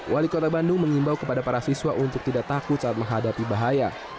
wali kota bandung mengimbau kepada para siswa untuk tidak takut saat menghadapi bahaya